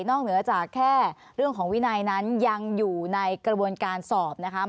เหนือจากแค่เรื่องของวินัยนั้นยังอยู่ในกระบวนการสอบนะคะ